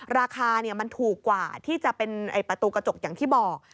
ราคามันถูกกว่าที่จะเป็นประตูกระจกอย่างที่บอก